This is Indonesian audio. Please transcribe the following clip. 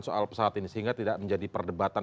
soal pesawat ini sehingga tidak menjadi perdebatan